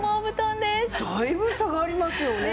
だいぶ差がありますよね。